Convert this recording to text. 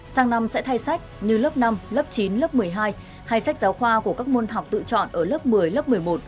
sang năm sẽ thay sách như lớp năm lớp chín lớp một mươi hai hay sách giáo khoa của các môn học tự chọn ở lớp một mươi lớp một mươi một